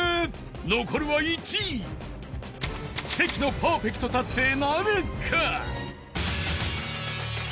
「残るは１位」「奇跡のパーフェクト達成なるか！？」